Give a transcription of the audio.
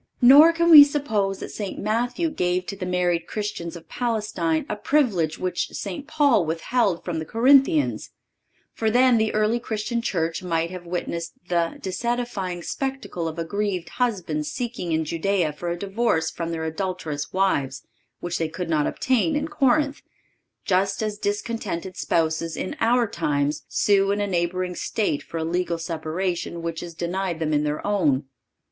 Nor can we suppose that St. Matthew gave to the married Christians of Palestine a privilege which St. Paul withheld from the Corinthians; for then the early Christian Church might have witnessed the disedifying spectacle of aggrieved husbands seeking in Judea for a divorce from their adulterous wives which they could not obtain in Corinth, just as discontented spouses, in our times, sue in a neighboring State for a legal separation which is denied them in their own.